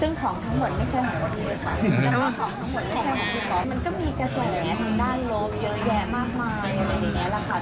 ซึ่งของทั้งหมดไม่ใช่ของดีอยู่สตาร์ทมันก็มีกระแสทางด้านลบเยอะแยะมากมาย